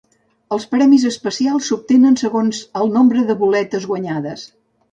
Els premis especials s'obtenen segons el nombre de boletes guanyades.